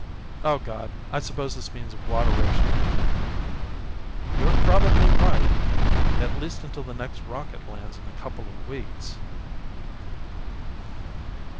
"Oh, God, I suppose this means water rationing again." "You're probably right, at least until the next rocket lands in a couple of weeks."